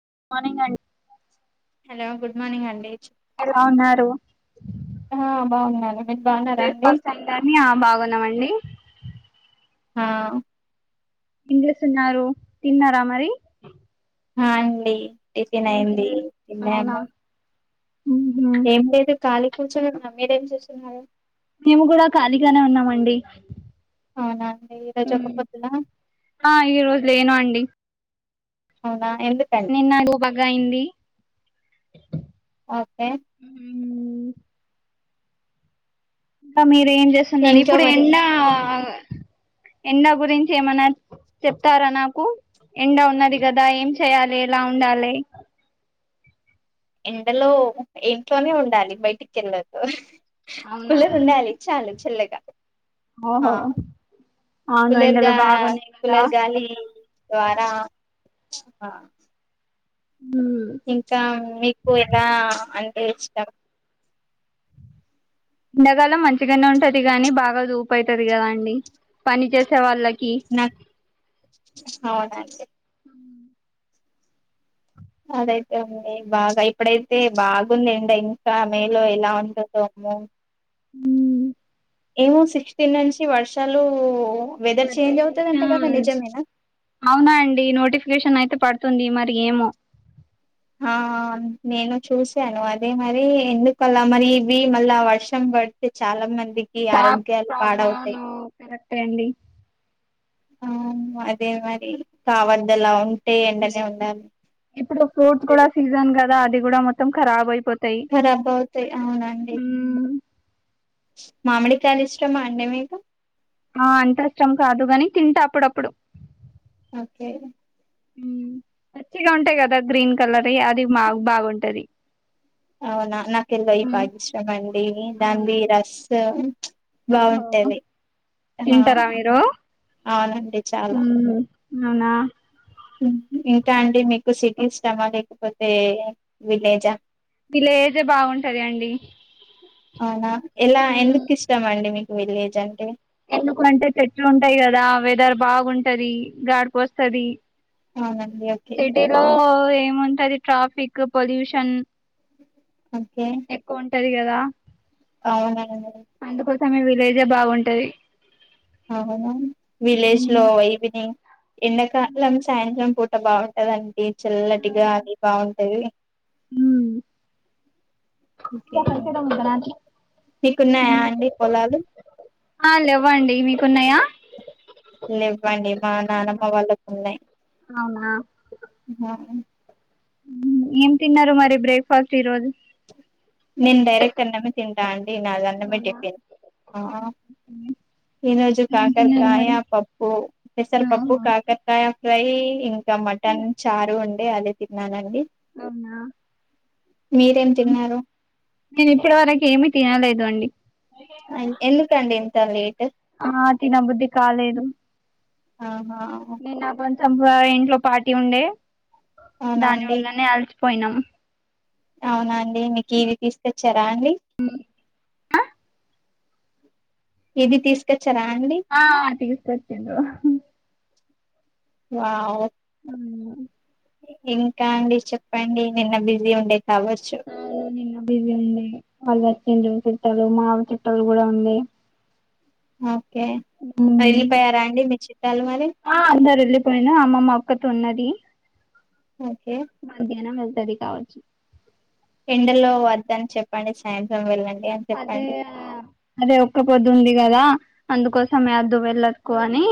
Good morning అండి hello good morning అండి ఎలా ఉన్నారు? ఆ బాగున్నాను మీరు బాగున్నారా అండి బ్రేక్ఫాస్ట్ అయిందా ఆ బాగున్నామండి ఆ ఏం జేస్తున్నారు తిన్నారా మరి హా అండి టిఫిన్ ఏం అయ్యింది తిన్నారు అవునా తిన్నాము ఊహూ ఏం లేదు ఖాళీ కూర్చోని ఉన్నాం మీరు ఏం చేస్తున్నారు మేము గూడా ఖాళీగానే ఉన్నామండి అవునా ఈరోజు ఉమ్ ఒక పొద్దున ఆ ఈ రోజు లేను అండి అవునా ఎందుకండి నిన్నడు బాగా అయింది ఓకే ఇంకా మీరు ఏం చేస్తున్నది ఇంకా ఇప్పుడు మరి ఎండ తిన్నారా ఎండ గురించి ఏమన చెప్తారా నాకు ఎండా ఉన్నది కదా ఏం చెయాలి ఎలా ఉండాలి ఎండలో ఇంట్లోనే ఉండాలి బయటికెళ్ళోదు అవునా కూలర్ ఉండాలి చాలు చల్లగా ఆ ఓహో అవును ఎండలు కులర్గా బాగున్నాయి కదా కులేర్గాలి ద్వారా ఆ ఇంకా మీకు ఎలా అంటే ఇష్టం ఎండాకాలం మంచిగానే ఉంటది గాని బాగా ూపు అయితది కదా అండి పని చేసే వాళ్ళ కి నాకు అవునండి అదైతే ఉంది బాగా ఇప్పుడైతే బాగుంది ఎండ ఇంకా మేలో ఎలా ఉంటదో మ్మో హుమ్ ఏమో సిక్స్టీన్ నుంచి వర్షాలు వెదర్ చేంజ్ అవుతదంట ఆ కదా నిజమేనా అవునా అండి నోటిఫికేషన్ అయితే పడుతుంది మరి ఏమో హ నేను చూసాను అదే మరి ఎందుకలా మరి ఇవి మళ్ళా వర్షం పడితే చాలా మందికి ఆరోగ్యాలు పాడవుతాయి తే అండి ఆ అదే మరి కావద్ద్దలా ఉంటే ఎండనే ఉండాలి ఇప్పుడు ఫ్రూట్స్ కూడా సీజన్ కదా అది కూడా మొత్తం రాబైపోత్ తై ఖరాబ్ అవుతాయి హుమ్ మామిడి కాయలు ఇష్టమా అండే మీకు ఆ అంతష్టం కాదు గాని తింట అప్పుడప్పుడు ఓకే హుమ్ పచ్చిగా ఉంటాయ్ కదా గ్రీన్ కలర్ యి అది బా బాగుంటది అవునా నాకెల్లో ఈ బాగిష్టం అండి అవునా దాందిి రసం ఓహో బాగుంటది ఆ తింటారా మీరు అవునండి చాలా మ్మ్ అవునా ఇంకా అండి మీకు సిటీ ఇష్టమా లేకపోతే విలేజా విలేజే బాగుంటది అండి అవునా ఎలా ఉమ్ ఎందుకు ఇష్టం అండి మీకు విలేజ్ అంటే ఎందుకంటే చెట్లు ఉంటాయి కదా వెదర్ బాగుంటది గాడ్పోస్తది అవునండి ఓకే సిటీలో ఏముంటది ట్రాఫిక్ పొల్యూషన్ ఓకే టాది కదా అవునవును అందుకోసమె విలేజే బాగుంటాది అవునా విలేజ్ లో ఈవినింగ్ ఎండకలం సాయంత్రం పు ట అబాగుంటదండి చిల్లటిగాలి బాగుంటది దక్కడికడ ముగ్రానికి మీీకున్నాయా అండి పొలాలు ఉన్నాయా లేవ్వండి మా నానమ్మ వాళ్ళకు ఉన్నాయ్ అవునా ఏం తిన్నారు మరి బ్రేక్ఫాస్ట్ ఈరోోజు నేను డైరెక్ట్ అన్నమే తింటా అండి నాదీ అన్నమే టిఫిన్ ఈ రోజు ఏం తిన్నారు కాకర్కాయ మరి పప్పు పేసర్ ఆహా పప్పు కాకర్కాయ చికెన్ ఫ్రై ఇంకా మటన్ చారు ఉండే అదే తిన్నానండి అవునా మీరేం తిన్నారు నేను ఇప్పటి వరకు ఏమి తినలేదు అండి ఎందు కండి ఇంత లేట్ ఆ తినబుద్ధి కాలేదు ఆహా అబ్బ ఇంట్లో పాటీ ఉండే అవునా దాని వల్లనే అలసిపోయినాం అవునాండి మీకు ఇది తీసుకొచ్చరా అండి ఇది తీసుక ఆ తీస్కోచ్చింరూ వావ్ అవును ఇంకా అండి చెప్పండి నిన్న బిజీ ఉండే కావచ్చు ఆ బిజి ఉండే వాళ్ళు వచ్చిండ్ర చుట్టాలు మావ చుట్టాలు కూడా ఉండే ఆ చుట్టాలు మరి ఆ అందరు వెళ్ళిపోయినా అమ్మమ్మ ఒక్కతి ఉన్న ది ఓకే మధ్యాహ్నం వెళ్తది కావచ్చు ఎండలో వద్దని చెప్పండి సాయంత్రం వెళ్ళ అదే అదే ఒక్క పొద్దుంది కదా అందుకోసమే అద్దు వెళ్ళకు అని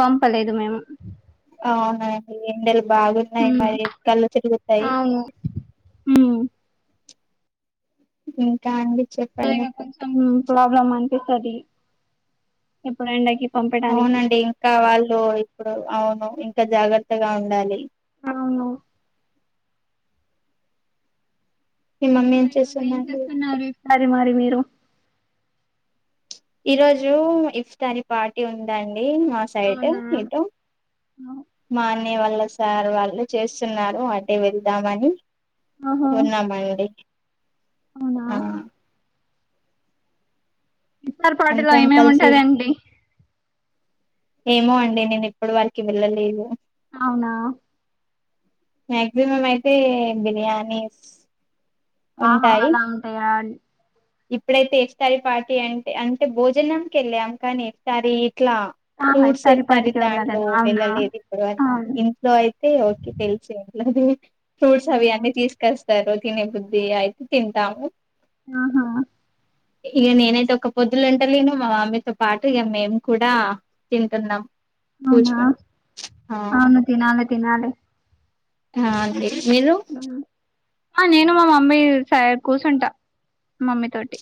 పంపలేదు మేము ఆహా బాగు ఉన్నాయి మరి కళ్ళు తిరుగుతాయి అవును ఇంకా అండి చెప్పండి కొంచెం ప్రాబ్లం అనిపిస్తుంది ఇప్పుడు ఎండకి పంపడానికి అవునండి ఇంకా వాళ్ళు ఇప్పుడు అవును ఇంకా జాగ్రత్తగా ఉండాలి అవును మీ మమ్మీ ఇంకా ఈ రోజు ఏం చేస్తుందండి చేస్తున్నారు ఈసారి మరి మీరు ఈ రోజు ఇఫ్తారి పార్టీ ఉందండి మా సైడ్ అవునా ఇటో నే వాళ్ళ సార్ వాళ్ళు చేస్తున్నారు అటే వెళ్దామని ఓహో కున్నామండి అవునా ఆ విసార్పాటిలో అందరం కలిసి ఏమేమింటాది అండి ఏమో అండి నేను ఎప్పుడు వారికి వెళ్ళలేదు అవునా మ్యాక్సిమం అయితే బిర్యానీ ఆహా అలా ఉంటాయా ఇప్పుడైతే ఇఫ్తారి పార్టీ అంటే అంటే భోజనంక వెళ్ళాము కానీ ఇఫ్తారి ఇట్లా ఆహా ఫ్రూడ్స్ ఇఫ్తార్ వఫారు పార్టీకి వెళ్ళాలి దాంట్లో కదా అవునా వెళ్ళలేదు ఇప్పుడు అ అవును ఇంట్లో అయితే ఓకే తెలిసు ఏంట్లేదు ఫ్రూట్స్ అవి అవునా అన్నీ తీసుకొస్తారు తినే బుద్ధి అయితే తింటాము ఆహా ఇక నేనైతే ఒక పొద్దులు ఉంటలేను మా మామీతో పాటు ఇక మేము కూడా తింటున్నాం అవునా కూర్చొని ఆ అవును తినాలి తినాలి ఆ అంతే మీరు ఆ నేను మా మమ్మీ స కూర్చుంటా మమ్మీ తోటి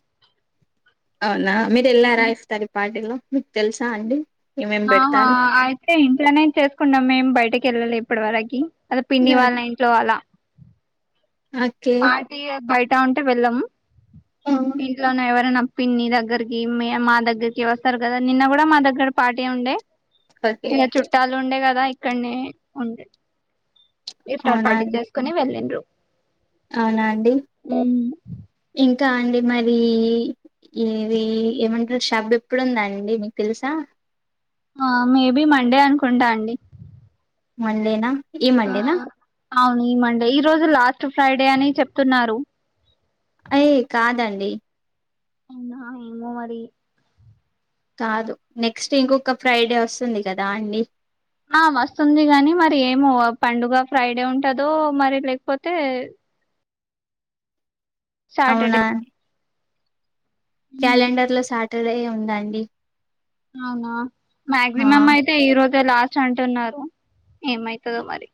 అవునా మీరు వెళ్ళారా ఇఫ్తారి ఈ పార్టీలో మీకు తెలుసా అండి ఏమేం ఆహా పెడతారు అయితే ఇంట్లోనే చేసుకున్నాం మేం బయటకి వెళ్ళాలి ఇప్పటి వరకి అదే పిన్ని వాళ్ళ ఇంట్లో అలా ఓకే పార్టీ బయట ఉంటే వెళ్ళము ఇంట్లోనే ఎవరైనా పిన్ని దగ్గరకి మా దగ్గరకి వస్తారు కదా నిన్న కూడా మా దగ్గర పాటీ ఉండే ఓకే ఇగా చుట్టాలు ఉండే కదా ఇక్కడనే ఉండే గిఫ్ట్ ఆర్ అవునా పార్టీ అండి. చేసుకోని వెళ్ళిండ్రు అవునా అండి ఇంకా అండి మరి ఇది ఏమంటారు షబ్ ఎప్పుడుందా అండి మీకు తెలుసా ఆ మేబి మండే అనుకుంటా అండి మండేనా ఈ మండేనా అవును ఈ మండే ఈ రోజు లాస్ట్ ఫ్రైడే అని చెప్తున్నారు ఐ కాదండి అవునా ఏమో మరి కాదు నెక్స్ట్ ఇంకొక ఫ్రైడే వస్తుంది కదా అండి ఆ వస్తుంది గాని మరి ఏమో పండుగ ఫ్రైడే ఉంటదో మరి లేకపోతే సాటర్డే అవునా క్యాలెండర్ లో సాటర్డే ఉందాండి అవునా ఆ మ్యాక్సిమమ్ అయితే ఈ రో లాస్ట్ అంటున్నారు ఏమైతదో మరి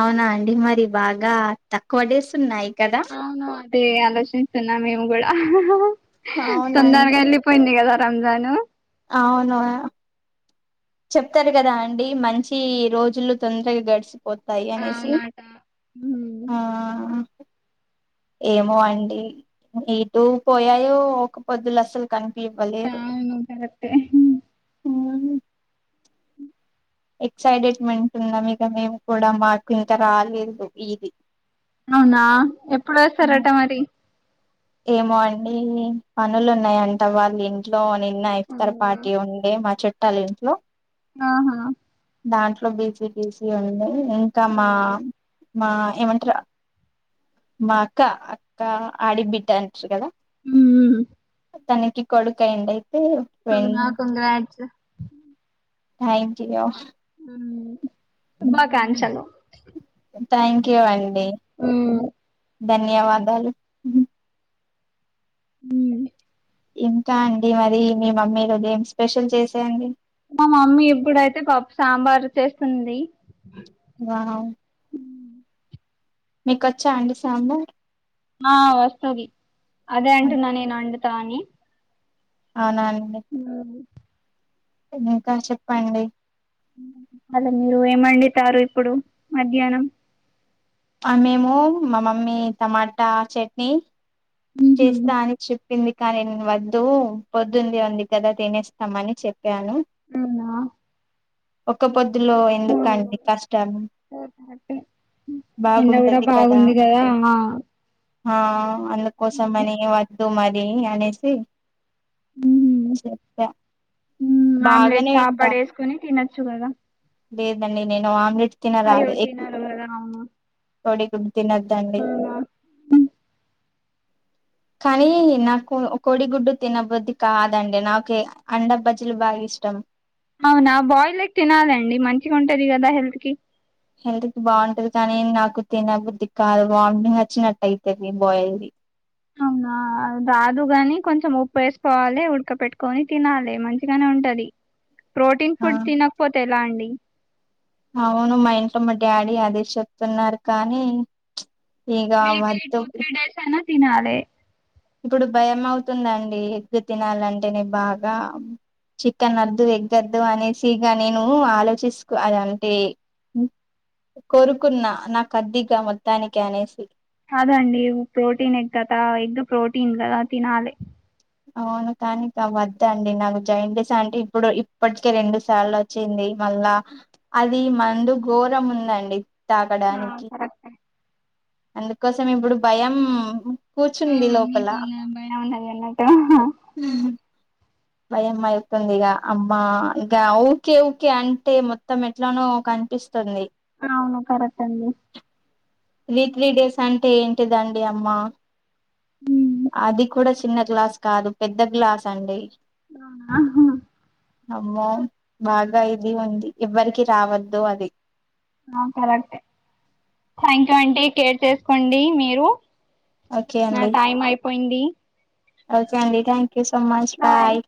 అవునా అండి మరి బాగా తక్కువడేస్ ఉన్నాయి కదా అవునా అంటే ఆలోచిస్తున్నా మేము కూడా తొందరగా అవునండి వెళ్ళిపోయింది కదా రంజాను అవును ఆ చెప్తారు కదా అండి మంచి రోజులు తొందరగా గడిచి పోతాయి అనేసి అవునాట ఉమ్. ఆ ఏమో అండి ఇటుూ పోయాయో ఒక పొద్దులు అసలు కని పివ్వలేదు అవును కరెక్టే ఎక్సైటెడ్మెంట్ ఉన్నా ఇగా మేము కూడా మాకింకా రాలేదు ఇది అవునా ఎప్పుడు వేస్తారట మరి ఏమో అండి పనులు ఉన్నాయంట వాళ్ళు ఇంట్లోని నా ఇఫ్తార్ అవునా పార్టీ ఉండే మా చుట్టాలు ఇంట్లో ఆహా దాంట్లో బిజీ బిజీ ఉండే ఇంకా మా అవునా మా ఏమంటారు మా అక్క అక్క ఆడి బిడ్డ అంటారు కదా ఉమ్ తనకి కొడుకు అయ్యిండే అయితే అవునా వెళ్లి కంగ్రాట్స్ థ్యాంక్ యూ శుభాకాంక్షలు థ్యాంక్ యూ అండి ఉమ్. ధన్యవాదాలు ఉమ్ ఇంకా అండి మరి మీ మమ్మీ ఈరోజు ఏం స్పెషల్ చేసియండి మా మమ్మీ ఇప్పుడైతే పప్పు సాంబార్ చేస్తుంది ఆ మీకు వచ్చా అండి సాంబార్ ఆ వస్తది అదే అంటున్నా నేను వండుతా అని అవునా అండి మ్మ్ ఇంకా చెప్పండి మళ్ళ మీరు ఏమండితారు ఇప్పుడు మధ్యాహ్నం ఆ మేము మా మమ్మీ టమాటా చట్నీ ఉహు చేస్తా అని చెప్ కానీ నేను వద్దు పొద్దుంది ఉంది కదా తినేస్తామని చెప్పాను అవునా ఒక్క పొద్దులో ఎందుకండి కష్టాలు కరెక్టే ఎండ కూడా బాగుంటది కదా బాగుంది ఆ అందుకో కోసమని వద్దు మరి అనేసి ఉ చెప్పా ఆమ్లెట్ బాగానే కాపాడ వింటా వేసుకొని తినొచ్చు కదా లేదండి నేను ఆమ్లెట్ అయ్యో తినరాదు ఎగ్ తినరు కదా కోడిగుడ్డు తినద్దండి అవునా కానీ నాకు కోడిగుడ్డు తినబుద్ది కాదండి నాకు అండ బజలు బాగా ఇష్టం మోత్తం అవునా బాయిల్డ్ ఎగ్ తినాలి కదా మంచిగా ఉంటది కదా హెల్త్ కి హెల్త్ బాగుంటది కానీ నాకు తిన బుద్ధి కాదు వాంతింగ్ వచ్చినట్టు అయితది బాల్ది అవున ఆ రాదు గాని కొంచెం ఉప్పు వేసుకోవాలి ఉడక పెట్టుకొని తినాలి మంచిగానే ఉంటది ప్రోటీన్ ఆ ఫుడ్ తినకపోతే ఎలా అండి అవును మా ఇంట్లో మా డాడీ అదే చెప్తున్నారు కానీ ఈగా అని ఏదు తీనాలే ఇప్పుడు భయం అవుతుందండి ఎగ్గులు తినాలంటేనే బాగా. చికెన్ వద్దు ఎగ్ వద్దు అనేసిగా నేను ఆలోచిస్తున్నాను అంటే. కోరుకున్నా నాకు వద్దు మొత్తానికి అనేసి. కాదండి ప్రోటీన్ ఎగ్ కదా ఎగ్ ప్రోటీన్ కదా తినాలి. అవును కాదండి వద్ద అండి జాండీస్ అంటే ఇప్పుడు ఇప్పటికే రెండు సార్లు వచ్చింది. మళ్ళా అది మందు ఘోరం ఉందండి ఆ తాగడానికి. కరెక్టే అందుకోసం ఇప్పుడు భయం. ఆ కూర్చుంది లోపల మీకు నా భయం ఉన్నది అన్నట్టు భయం అవుతుంది ఇక అమ్మా ఇక ఊకే ఊకే అంటే మొత్తం ఎట్లానో. అనిపిస్తుంది. అవును కరెక్ట్ అండి. రీ త్రీ డేస్ అంటే ఏంటిదండి అమ్మా. ఉ. అది కూడా చిన్న గ్లాస్ కాదు పెద్ద గ్లాస్ అండి. అ. హు అమ్మో బాగా ఇది ఉంది ఎవ్వరికి రావద్దు అది. కరెక్ట్ థ్యాంక్ యూ అంట కేర్ చేసుకోండి మీరు. ఓకే నా అండి టైం అయిపోయింది ఓకే అండిథ్యాంక్. So much bye.